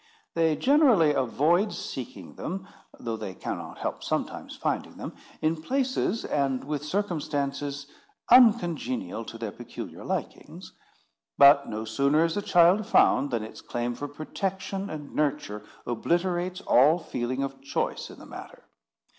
They generally avoid seeking them, though they cannot help sometimes finding them, in places and with circumstances uncongenial to their peculiar likings. But no sooner is a child found, than its claim for protection and nurture obliterates all feeling of choice in the matter.